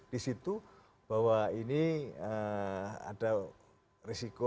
di situ bahwa ini ada risiko